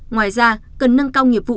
ngoài ra cần nâng cao nghiệp vụ